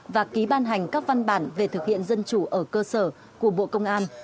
và ký ban hành các văn bản về thực hiện dân chủ ở cơ sở của bộ công an